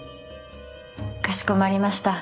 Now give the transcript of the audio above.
かしこまりました。